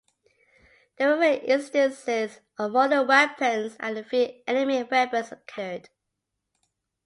There were rare instances of modern weapons, and a few enemy weapons captured.